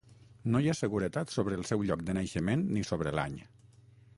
No hi ha seguretat sobre el seu lloc de naixement, ni sobre l'any.